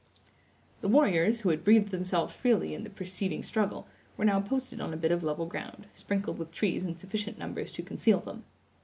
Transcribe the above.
The warriors, who had breathed themselves freely in the preceding struggle, were now posted on a bit of level ground, sprinkled with trees in sufficient numbers to conceal them.